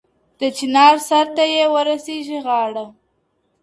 د چینار سر ته یې ورسیږي غاړه.!